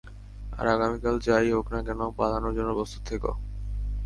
আর আগামীকাল যা-ই হোক না কেন, পালানোর জন্য প্রস্তুত থেকো।